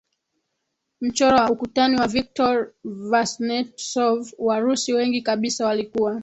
mchoro wa ukutani wa Viktor Vasnetsov Warusi wengi kabisa walikuwa